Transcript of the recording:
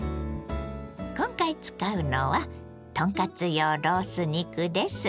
今回使うのは豚カツ用ロース肉です。